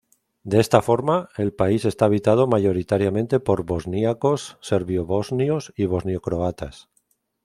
De esta forma, el país está habitado mayoritariamente por bosníacos, serbio-bosnios y bosnio-croatas.